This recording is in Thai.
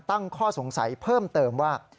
ตั้งข้อสงสัยเพิ่มเติมว่า